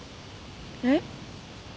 えっ？